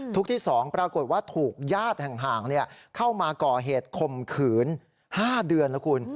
ที่๒ปรากฏว่าถูกญาติห่างเข้ามาก่อเหตุคมขืน๕เดือนแล้วคุณ